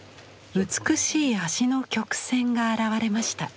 美しい足の曲線が表れました。